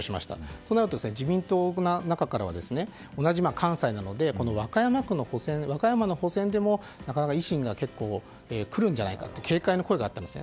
そうなると自民党の中からは同じ関西なので和歌山の補選でも維新がくるんじゃないかと警戒の声があったんです。